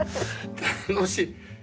楽しい。